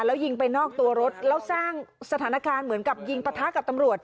แล้วยิงไปนอกตัวรถแล้วสร้างสถานการณ์เหมือนกับยิงปะทะกับตำรวจ